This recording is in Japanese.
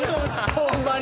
ホンマに？